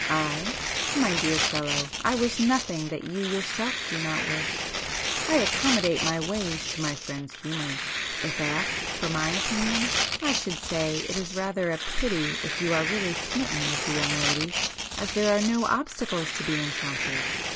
"I? My dear fellow, I wish nothing that you yourself do not wish. I accommodate my ways to my friends' humours. If asked for my opinion I should say it is rather a pity if you are really smitten with the young lady, as there are no obstacles to be encountered.